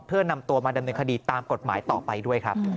เพื่อนำตัวมาดำเนินคดีตามกฎหมายต่อไปด้วยครับ